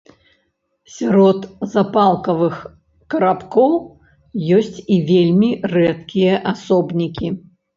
Сярод запалкавых карабкоў ёсць і вельмі рэдкія асобнікі.